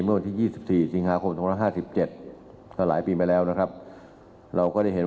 เมื่อวันที่๒๔สิงหาคม๒๕๗ก็หลายปีมาแล้วนะครับเราก็ได้เห็น